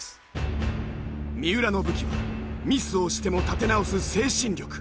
三浦の武器はミスをしても立て直す精神力。